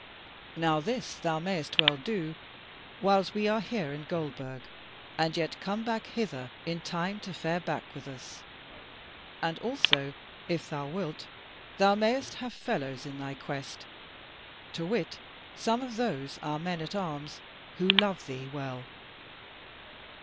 Now this thou mayst well do whiles we are here in Goldburg, and yet come back hither in time to fare back with us: and also, if thou wilt, thou mayst have fellows in thy quest, to wit some of those our men at arms, who love thee well.